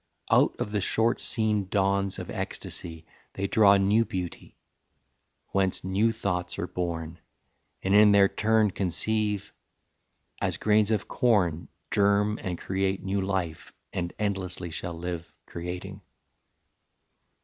Out of the short seen dawns of ecstasy They draw new beauty, whence new thoughts are born And in their turn conceive, as grains of corn Germ and create new life and endlessly Shall live creating.